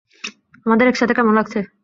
আমাদের একসাথে কেমন লাগছে?